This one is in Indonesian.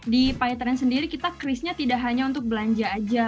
di pitrans sendiri kita krisnya tidak hanya untuk belanja aja